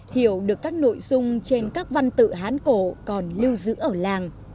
hiểu được các nội dung trên các văn tự hán cổ còn lưu giữ ở làng